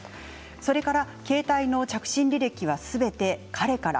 それから携帯の着信履歴はすべて彼から。